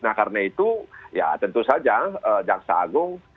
nah karena itu ya tentu saja jaksa agung